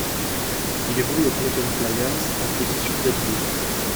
Il évolue aux Kloten Flyers en position d'ailier.